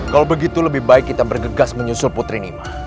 kalau begitu lebih baik kita bergegas menyusul putri nima